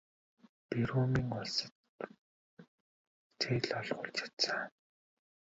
Би Румын улсад зээл олгуулж чадсан.